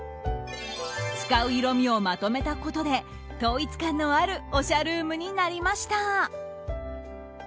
使う色味をまとめたことで統一感のあるおしゃルームになりました。